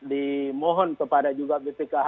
dimohon kepada juga bpkh